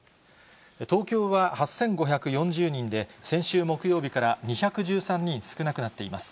東京は８５４０人で、先週木曜日から２１３人少なくなっています。